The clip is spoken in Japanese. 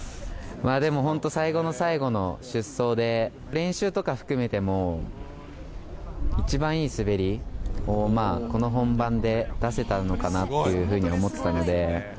まあでもほんと、最後の最後の出走で、練習とか含めても、一番いい滑りをこの本番で出せたのかなっていうふうに思ってたので。